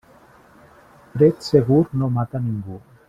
Fred segur no mata ningú.